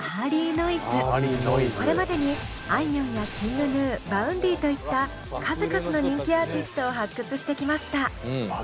これまでにあいみょんやＫｉｎｇＧｎｕＶａｕｎｄｙといった数々の人気アーティストを発掘してきました。